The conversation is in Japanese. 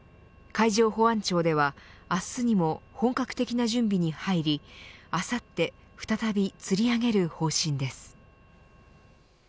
海上保安庁では明日にも本格的な準備に入りあさって再びつり上げる方針です。